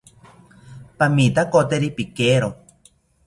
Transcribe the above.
Pamitakoteri pikero